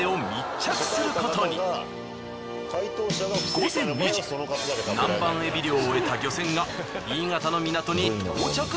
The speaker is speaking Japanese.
午前２時南蛮エビ漁を終えた漁船が新潟の港に到着。